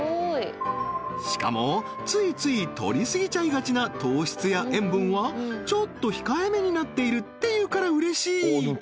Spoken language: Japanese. しかもついついとりすぎちゃいがちな糖質や塩分はちょっと控えめになっているっていうから嬉しい